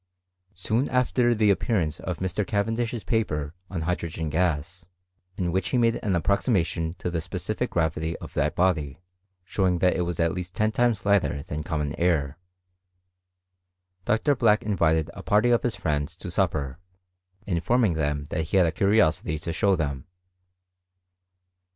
Soon after the appearance of Mr. Caven / diih's paper on hydrogen gas, in 'which he made an approximation to the specific gravity of that body, Soowing that it was at least ten times lighter than common air, Dr. Black invited a party of his friends to supper, informing them that he had a curiosity to show them.